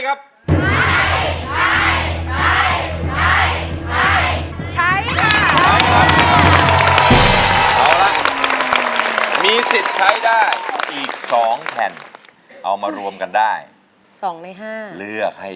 นี่เอาเลย